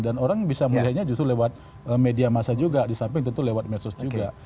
dan orang bisa melihatnya justru lewat media masa juga disamping tentu lewat medsos juga